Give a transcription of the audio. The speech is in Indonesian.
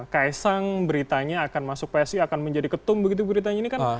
kaisang beritanya akan masuk psi akan menjadi ketum begitu beritanya ini kan